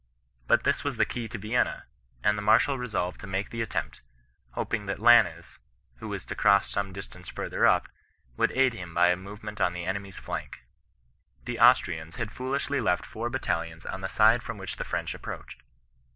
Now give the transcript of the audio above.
But this was the key to Yienna^ and the marshal resolved to make the attempt — hoping tftat Lannes, who was to cross some distance further upy would aid him by a movement on the enemy's flank. The Austrians had foolishly left four battalions on the side from which the French approached.